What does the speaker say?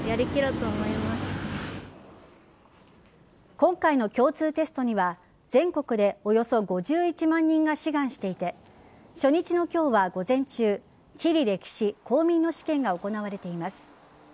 今回の共通テストには全国でおよそ５１万人が志願していて初日の今日は午前中地理歴史・公民の試験が行われています。